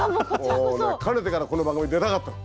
もうねかねてからこの番組に出たかったの。